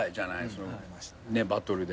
そのバトルで。